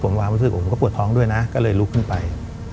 ผมความรู้สึกผมผมก็ปวดท้องด้วยนะก็เลยลุกขึ้นไป